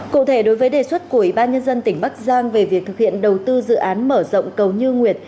cụ thể đối với đề xuất của ủy ban nhân dân tỉnh bắc giang về việc thực hiện đầu tư dự án mở rộng cầu như nguyệt